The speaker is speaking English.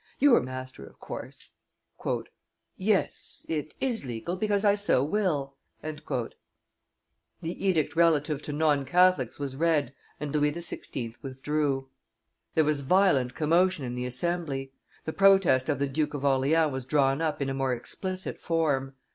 "You are master, of course." "Yes, it is legal, because I so will." The edict relative to non Catholics was read, and Louis XVI. withdrew. There was violent commotion in the assembly; the protest of the Duke of Orleans was drawn up in a more explicit form.